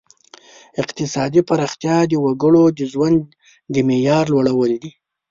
اقتصادي پرمختیا د وګړو د ژوند د معیار لوړول دي.